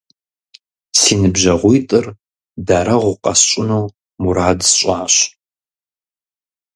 Си ныбжьэгъуитӏыр дарэгъу къэсщӀыну мурад сщӀащ.